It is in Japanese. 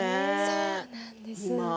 そうなんです。